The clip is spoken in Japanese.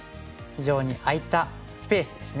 非常に空いたスペースですね